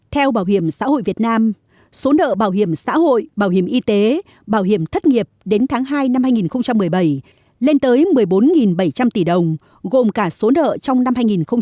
theo bảo hiểm xã hội việt nam số nợ bảo hiểm xã hội bảo hiểm y tế bảo hiểm thất nghiệp đến tháng hai năm hai nghìn một mươi bảy lên tới một mươi bốn bảy trăm linh tỷ đồng gồm cả số nợ trong năm hai nghìn một mươi tám